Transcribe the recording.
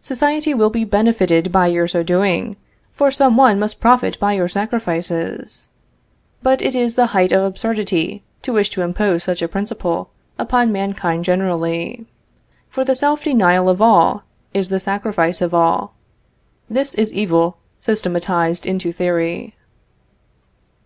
Society will be benefited by your so doing, for some one must profit by your sacrifices. But it is the height of absurdity to wish to impose such a principle upon mankind generally; for the self denial of all, is the sacrifice of all. This is evil systematized into theory.